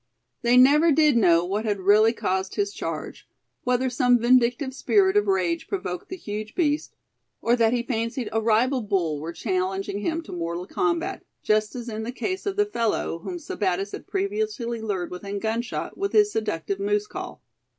They never did know what had really caused his charge; whether some vindictive spirit of rage provoked the huge beast; or that he fancied a rival bull were challenging him to mortal combat, just as in the case of the fellow, whom Sebattis had previously lured within gunshot, with his seductive moose call.